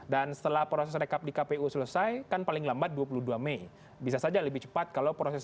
dan setelah proses rekap di kpu selesai kan paling lambat dua puluh dua mei bisa saja lebih cepat kalau proses